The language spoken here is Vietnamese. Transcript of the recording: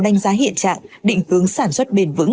đánh giá hiện trạng định hướng sản xuất bền vững